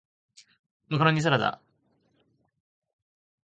マカロニサラダ